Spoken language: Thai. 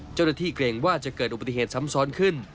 เจ้าหน้าที่เกรงว่าจะเกิดอุบัติเหตุซ้ำซ้อนขึ้น